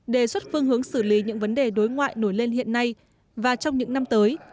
đề xuất phương hướng xử lý những vấn đề đối ngoại nổi lên hiện nay và trong những năm tới